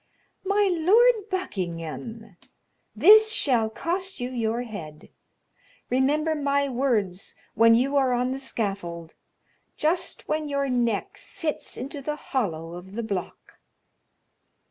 "My Lord Buckingham, this shall cost you your head; remember my words when you are on the scaffold, just when your neck fits into the hollow of the block."